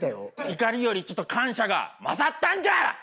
怒りよりちょっと感謝が勝ったんじゃ！